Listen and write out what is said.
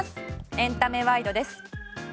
エンタメワイドです。